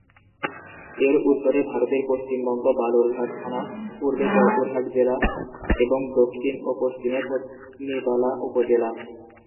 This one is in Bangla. এর উত্তরে ভারতের পশ্চিমবঙ্গ বালুরঘাট থানা, পূর্বে জয়পুরহাট জেলা এবং দক্ষিণ ও পশ্চিমে পত্নীতলা উপজেলা।